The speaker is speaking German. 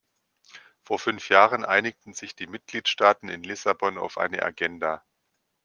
Vor fünf Jahren einigten sich die Mitgliedstaaten in Lissabon auf eine Agenda.